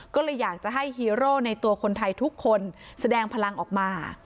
ก็เลยอยากจะให้ฮีโร่ในตัวคนไทยทุกคนแสดงพลังออกมา